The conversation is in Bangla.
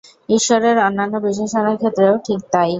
ঈশ্বরের অন্যান্য বিশেষণের ক্ষেত্রেও ঠিক তাই।